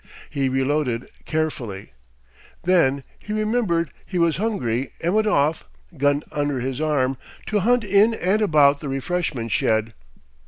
He reloaded carefully. Then he remembered he was hungry and went off, gun under his arm, to hunt in and about the refreshment shed.